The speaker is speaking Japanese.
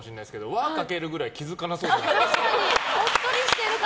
輪をかけるくらい気づかなそうじゃない？